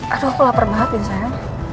aduh aku lapar banget ya sayang